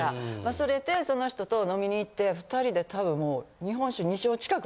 それでその人と飲みに行って２人でたぶんもう。